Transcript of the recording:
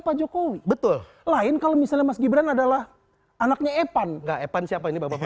pak jokowi betul lain kalau misalnya mas gibran adalah anaknya epan enggak epan siapa ini bapak